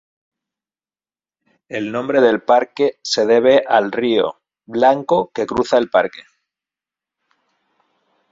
El nombre del parque se debe al río Blanco que cruza el parque.